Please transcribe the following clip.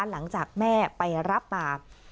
หลังจากแม่ไปรับมา